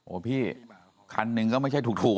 โอ้พี่คันหนึ่งก็ไม่ใช่ถูกนะพี่